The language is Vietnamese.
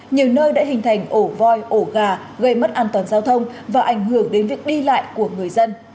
nhiều nơi đã hình thành ổ voi ổ gà gây mất an toàn giao thông và ảnh hưởng đến việc đi lại của người dân